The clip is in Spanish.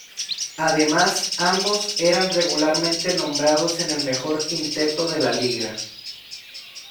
Además, ambos eran regularmente nombrados en el mejor quinteto de la liga.